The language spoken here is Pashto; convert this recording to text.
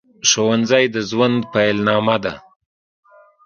ښوونځي د ژوند پیل نامه ده